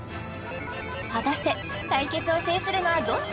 果たして対決を制するのはどっち？